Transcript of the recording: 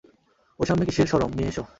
ওর সামনে কীসের শরম, নিয়ে এসো।